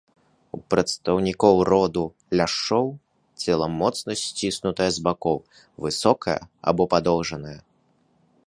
У прадстаўнікоў роду ляшчоў цела моцна сціснутае з бакоў, высокае або падоўжанае.